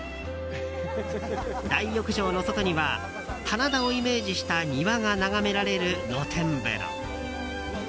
大浴場の外には棚田をイメージした庭が眺められる露天風呂。